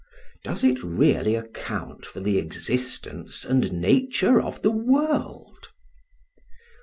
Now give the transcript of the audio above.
Does it really account for the existence and nature of the world?